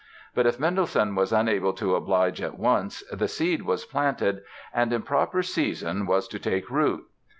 But if Mendelssohn was unable to oblige at once, the seed was planted and, in proper season, was to take root.